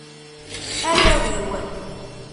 Arraw-iw.